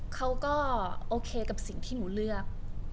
เขาก็โอเคกับสิ่งที่หนูเลือก